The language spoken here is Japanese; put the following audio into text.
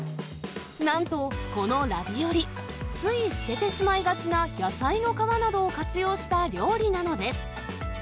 なんとこのラビオリ、つい捨ててしまいがちな野菜の皮などを活用した料理なのです。